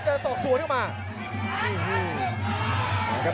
เจอส่องส่วนเข้ามา